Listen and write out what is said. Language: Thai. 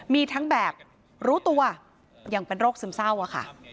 มีทั้งแบบรู้ตัวอย่างเป็นโรคซึมเศร้าอะค่ะ